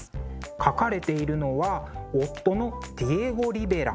描かれているのは夫のディエゴ・リベラ。